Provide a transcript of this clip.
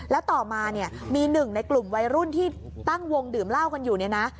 แล้วต่อมาเนี่ยมีหนึ่งในกลุ่มวัยรุ่นที่ตั้งวงดื่มเหล้ากันอยู่เนี่ยนะ